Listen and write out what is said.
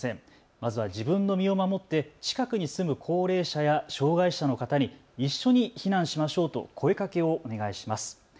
まずは自分の身を守って近くに住む高齢者や障害者の方に一緒に避難しましょうと声かけをお願いします。